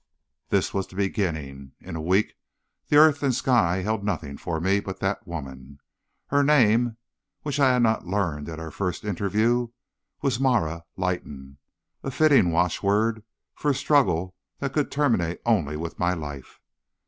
"This was the beginning. In a week the earth and sky held nothing for me but that woman. Her name, which I had not learned at our first interview, was Marah Leighton a fitting watch word for a struggle that could terminate only with my life!